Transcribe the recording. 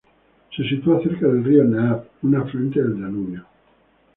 Se sitúa cerca del Río Naab, una afluente del Danubio.